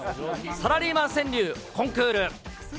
サラリーマン川柳コンクール。